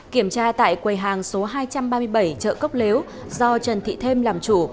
kiểm tra tại quầy hàng số hai trăm ba mươi bảy chợ cốc lếu do trần thị thêm làm chủ